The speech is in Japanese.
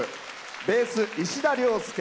ベース、石田良典。